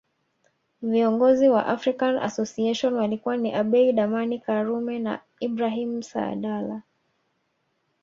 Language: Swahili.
Viongozi wa African Association walikuwa ni Abeid Amani Karume na Ibrahim Saadala